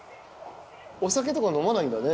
お酒とか飲まないんだね。